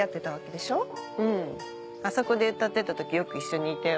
あそこで歌ってた時よく一緒にいたよ。